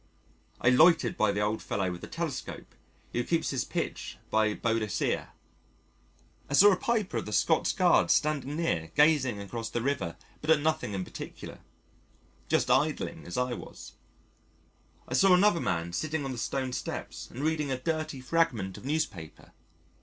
I loitered by the old fellow with the telescope who keeps his pitch by Boadicea: I saw a piper of the Scots Guards standing near gazing across the river but at nothing in particular just idling as I was. I saw another man sitting on the stone steps and reading a dirty fragment of newspaper.